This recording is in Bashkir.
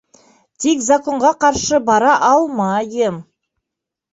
Тик законға ҡаршы бара алмайым.